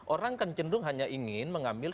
orang kan cenderung hanya ingin mengambil